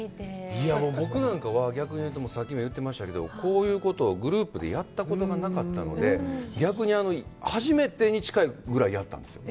いや、僕なんかは逆に言うとさっきも言いましたけどこういうことをグループでやったことがなかったので、逆に初めてに近いぐらいやったんですよ。